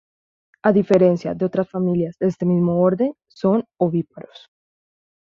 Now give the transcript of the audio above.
A diferencia de otras familias de este mismo orden son ovíparos.